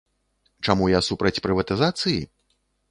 Чаму я супраць прыватызацыі?